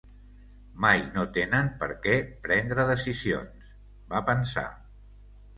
Mai no tenen per què prendre decisions, va pensar.